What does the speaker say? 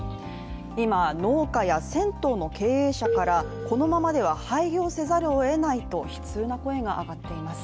今、農家や銭湯の経営者からこのままでは廃業せざるをえないと悲痛な声が上がっています。